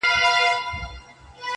حروف د ساز له سوره ووتل سرکښه سوله.